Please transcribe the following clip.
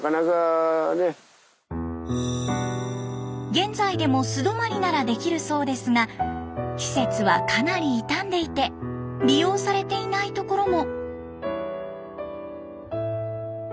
現在でも素泊まりならできるそうですが施設はかなり傷んでいて利用されていない所も。